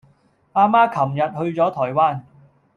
阿媽琴日去左台灣